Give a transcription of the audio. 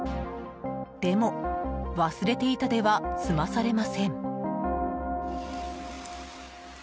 でも、忘れていたでは済まされません。